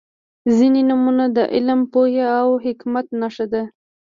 • ځینې نومونه د علم، پوهې او حکمت نښه ده.